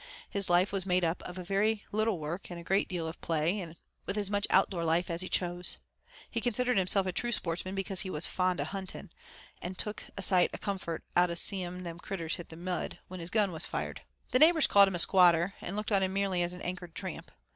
His life was made up of a very little work and a great deal of play, with as much outdoor life as he chose. He considered himself a true sportsman because he was 'fond o' huntin',' and 'took a sight o' comfort out of seein' the critters hit the mud, when his gun was fired. The neighbors called him a squatter, and looked on him merely as an anchored tramp.